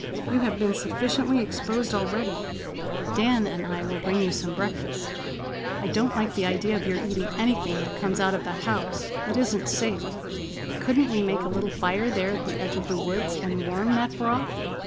You have been sufficiently exposed already. Dan and I will bring you some breakfast. I don't like the idea of your eating anything that comes out of that house. It isn't safe. Couldn't we make a little fire there at the edge of the woods and warm that broth?